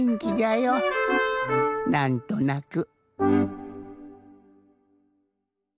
なんとなく。